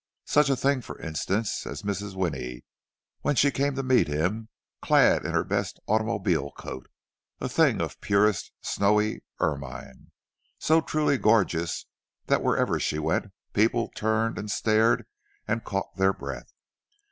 Such a thing, for instance, as Mrs. Winnie, when she came to meet him; clad in her best automobile coat, a thing of purest snowy ermine, so truly gorgeous that wherever she went, people turned and stared and caught their breath.